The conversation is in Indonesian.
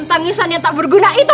tangisan yang tak berguna itu